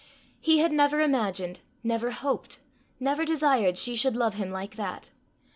He had never imagined, never hoped, never desired she should love him like that.